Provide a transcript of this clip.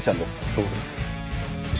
そうです。